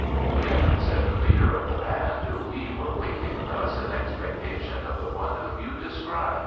'" "Yet," said the leader of the band, "we were waiting thus in expectation of the one whom you describe.